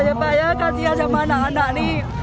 ya pak ya kasihan sama anak anak nih